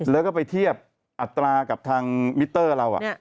แล้วก็ไปเทียบอัตรากับทางมิเตอร์เรา